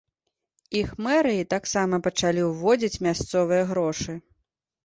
Іх мэрыі таксама пачалі ўводзіць мясцовыя грошы.